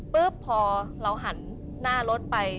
ปุ๊บพอเราหันหน้ารถไป